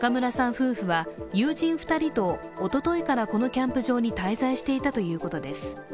夫婦は友人２人とおとといからこのキャンプ場に滞在していたということです。